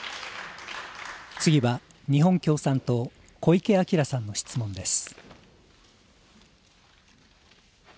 次は日本共産党、小池晃さんの質問です。